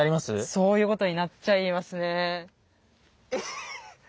そういうことになっちゃいますね。